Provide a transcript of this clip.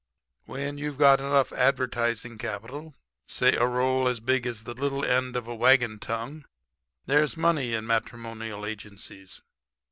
"When you've got enough advertising capital say a roll as big as the little end of a wagon tongue there's money in matrimonial agencies.